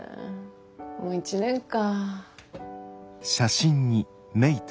もう１年か。